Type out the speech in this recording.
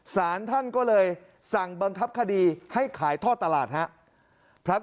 สารท่านก็เลยสั่งบังคับคดีให้ขายท่อตลาดครับ